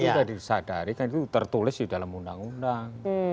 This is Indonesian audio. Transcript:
sudah disadari kan itu tertulis di dalam undang undang